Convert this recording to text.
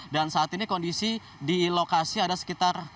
dan saat ini kondisi di lokasi ada sekitar